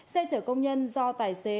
xe chở công nhân do tài xế